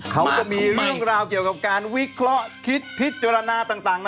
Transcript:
เขาจะมีเรื่องราวเกี่ยวกับการวิเคราะห์คิดพิจารณาต่าง